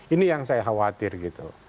ini yang saya khawatir gitu